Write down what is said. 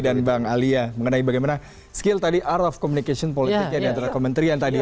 dan bang ali ya mengenai bagaimana skill tadi art of communication politik yang diantara kementerian tadi